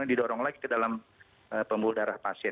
didorong lagi ke dalam pembuluh darah pasien